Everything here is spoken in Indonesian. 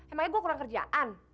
emangnya gue kurang kerjaan